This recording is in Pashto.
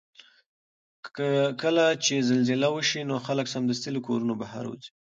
کله چې زلزله وشي نو خلک سمدستي له کورونو بهر وځي.